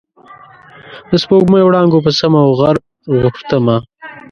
د سپوږمۍ وړانګو په سم او غر غوښتمه